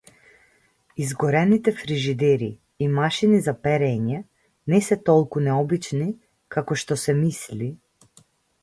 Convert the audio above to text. Изгорените фрижидери и машини за перење не се толку необични како што се мисли.